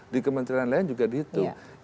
di kementerian lain juga dihitung